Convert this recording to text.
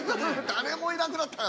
誰もいなくなったよ。